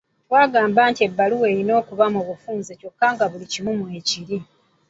Twagamba nti ebbaluwa erina okuba mu bufunze kyokka nga buli kumu mwe kiri.